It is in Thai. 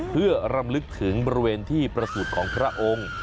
เพื่อรำลึกถึงบริเวณที่ประสูจน์ของพระองค์